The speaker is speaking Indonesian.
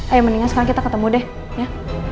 ayo mendingan sekarang kita ketemu deh ya